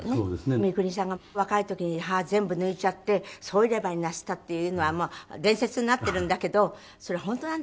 三國さんが若い時に歯全部抜いちゃって総入れ歯になすったっていうのは伝説になっているんだけどそれ本当なんですか？